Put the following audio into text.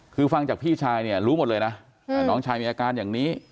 คือฟังจากพี่ชายเนี่ยรู้หมดเลยนะน้องชายมีอาการอย่างนี้